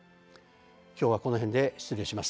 きょうはこの辺で失礼します。